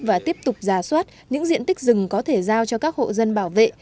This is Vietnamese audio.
và tiếp tục giả soát những diện tích rừng có thể giao cho các hộ dân bảo vệ